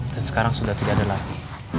dan sekarang sudah tidak ada lagi